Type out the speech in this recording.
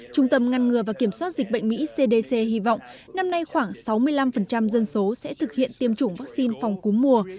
trung tâm ngăn ngừa và kiểm soát dịch bệnh mỹ cdc hy vọng năm nay khoảng sáu mươi năm dân số sẽ thực hiện tiêm chủng vaccine phòng cúm mùa